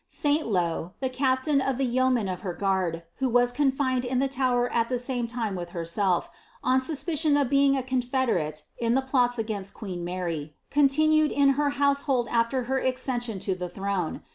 Saintlow, the captain of the yeomen of her d, who was confined in the Tower at the same time with herself, on icion of being a confederate in the plots against queen Mary, con x! in her household after her accession to the throne.